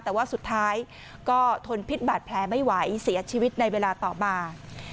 แต่ว่าสุดท้ายก็ทนพิษบาดแผลไม่ไหวเสียชีวิตในเวลาต่อมา